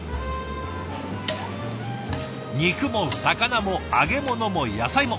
肉も魚も揚げ物も野菜も。